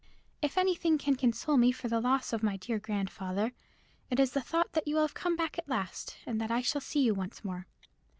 "If anything can console me for the loss of my dear grandfather, it is the thought that you will come back at last, and that I shall see you once more.